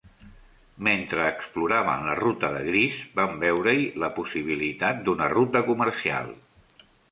Mentre exploraven la ruta de Grease, van veure-hi la possibilitat d'una ruta comercial.